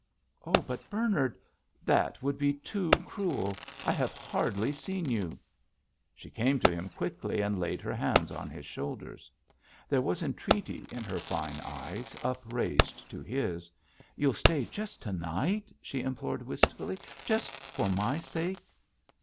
"Oh, but, Bernard, that would be too cruel. I have hardly seen you!" She came to him quickly and laid her hands on his shoulders. There was entreaty in her fine eyes, upraised to his. "You'll stay just to night," she implored, wistfully, "just for my sake."